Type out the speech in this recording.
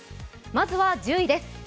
まずは１０位です。